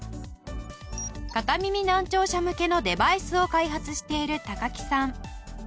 片耳難聴者向けのデバイスを開発している高木さん。